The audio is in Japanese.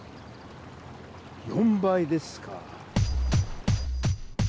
４倍ですか。